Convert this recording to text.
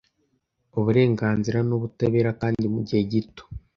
uburenganzira nubutabera kandi mugihe gito